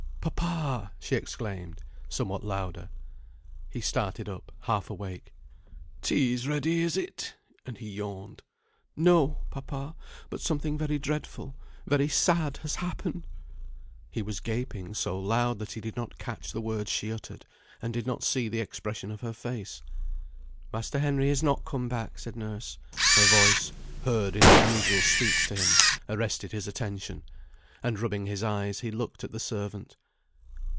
"Papa!" she exclaimed, somewhat louder. He started up, half awake. "Tea is ready, is it?" and he yawned. "No! papa, but something very dreadful very sad, has happened!" He was gaping so loud that he did not catch the words she uttered, and did not see the expression of her face. "Master Henry is not come back," said nurse. Her voice, heard in unusual speech to him, arrested his attention, and rubbing his eyes, he looked at the servant.